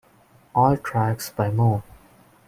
All tracks by moe.